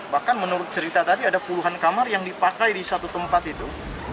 bahkan menurut cerita tadi ada puluhan kamar yang dipakai di satu tempat itu